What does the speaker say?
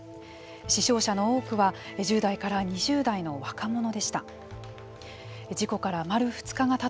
死傷者の多くは１０代から２０代の若者でした。